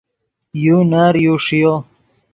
یو نر یو ݰیو